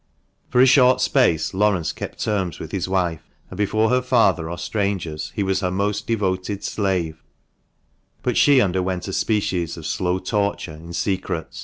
For a short space Laurence kept terms with his wife, and before her father or strangers he was her most devoted slave, but she underwent a species of slow torture in secret.